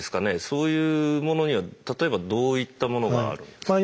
そういうものには例えばどういったものがあるんですか？